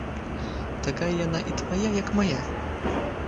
Такая яна і твая, як мая.